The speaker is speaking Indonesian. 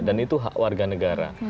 dan itu hak warga negara